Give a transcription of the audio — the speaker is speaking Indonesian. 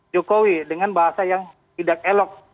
jokowi dengan bahasa yang tidak elok